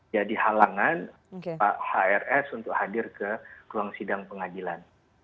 jadi halangan pak hrs untuk hadir ke ruang sidang pengadilan